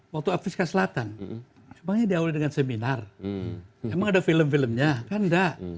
waktu afrika selatan sebenarnya diawali dengan seminar emang ada film filmnya kan enggak